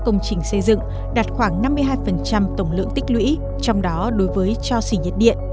công trình xây dựng đạt khoảng năm mươi hai tổng lượng tích lũy trong đó đối với cho xỉ nhiệt điện